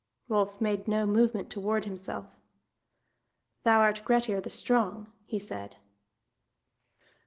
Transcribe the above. Rolf made no movement to ward himself. "Thou art Grettir the Strong," he said.